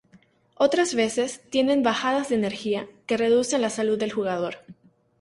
Otras veces, tienen "bajadas de energía", que reducen la salud del jugador.